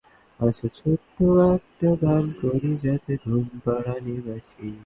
আবার খাওয়া শেষ হওয়ার পরপরই প্রচুর পানি পান করলেও পরিপাকে অসুবিধা হয়।